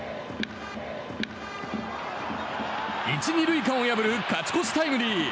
１、２塁間を破る勝ち越しタイムリー。